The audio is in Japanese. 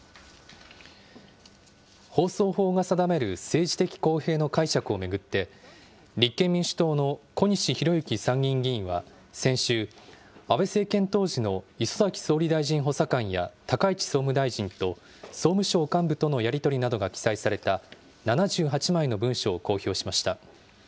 放送法が定める政治的公平の解釈を巡って、立憲民主党の小西洋之参議院議員は、先週、安倍政権当時の礒崎総理大臣補佐官や、高市総務大臣と総務省幹部とのやり取りなどが記載された７８枚の文書を公表しました。